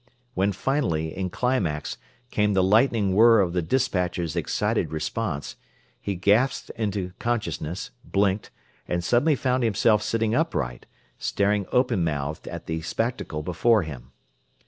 When finally, in climax, came the lightning whirr of the despatcher's excited response, he gasped into consciousness, blinked, and suddenly found himself sitting upright, staring open mouthed at the spectacle before him.